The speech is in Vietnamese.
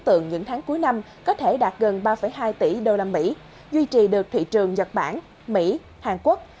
tượng những tháng cuối năm có thể đạt gần ba hai tỷ usd duy trì được thị trường nhật bản mỹ hàn quốc